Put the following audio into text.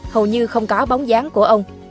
hầu như không có bóng dáng của ông